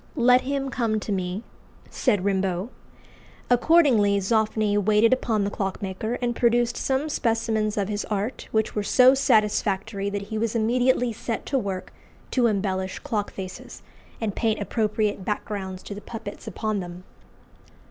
"Let him come to me," said Rimbault. Accordingly Zoffany waited upon the clockmaker, and produced some specimens of his art, which were so satisfactory that he was immediately set to work to embellish clock faces, and paint appropriate backgrounds to the puppets upon them.